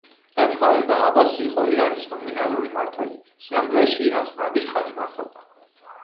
რა თქმა უნდა, აბასი იყო ირანის ნომინალური მმართველი, სინამდვილეში ირანს ნადირ-ხანი მართავდა.